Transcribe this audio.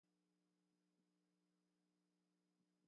一直都係講緊無證人士會被踢走